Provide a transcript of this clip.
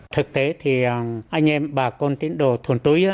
thực tế thì anh em bà con tín đồ thuần túi